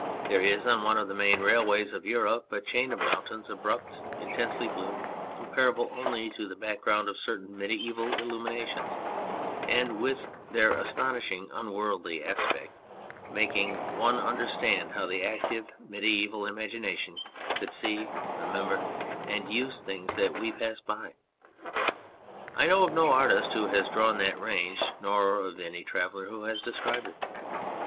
There is on one of the main railways of Europe a chain of mountains abrupt, intensely blue, comparable only to the background of certain mediaeval illuminations, and, with their astonishing, unworldly aspect, making one under stand how the active mediaeval imagination could see, remember, and use things that we pass by. I know of no artist who has drawn that range nor of any traveller who has described it.